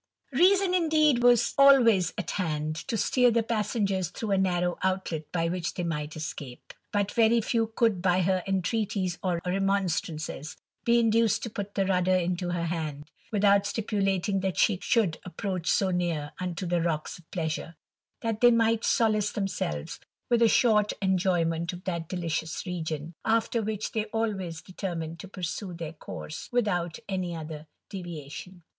9 I30 THE RAMBLER, Reason, indeed, was always at hand to steer the passengers through a narrow outlet by which they might escape ; but very few could, by her entreaties or remonstrances, be induced to put the rudder into her hand, without stipulating that she should approach so near imto the rocks of Pleasure, that they might solace themselves with a short enjoyment of that delicious region, after which they always determined to pursue their course without any other deviation.